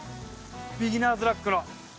ビギナーズラックの。